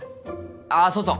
ああそうそう。